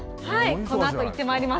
このあと行ってまいります。